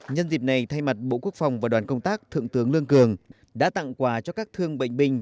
nhân dịp này thay mặt bộ quốc phòng và đoàn công tác thượng tướng lương cường đã tặng quà cho các thương bệnh binh